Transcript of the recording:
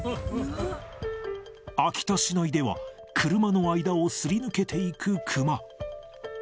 秋田市内では、車の間をすり抜けていくクマ。